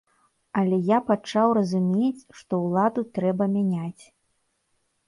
Але я пачаў разумець, што ўладу трэба мяняць.